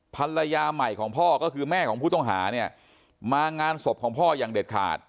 ภรรยาใหม่ของพ่อก็คือแม่ของผู้ต้องหาเนี่ยมางานศพของพ่ออย่างเด็ดขาด